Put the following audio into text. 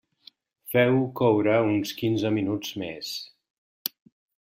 Feu-ho coure uns quinze minuts més.